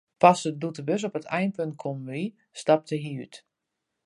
Pas doe't de bus op it einpunt kommen wie, stapte hja út.